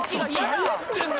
何やってんの？